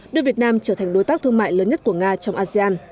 đưa việt nam trở thành đối tác thương mại lớn nhất của nga trong asean